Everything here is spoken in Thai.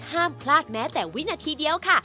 ห้ามพลาดแม้แต่วินาทีเดียวค่ะ